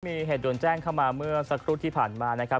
มีเหตุด่วนแจ้งเข้ามาเมื่อสักครู่ที่ผ่านมานะครับ